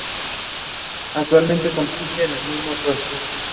Actualmente compite en el mismo tour.